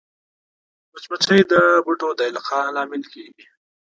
مچمچۍ د بوټو د القاح لامل کېږي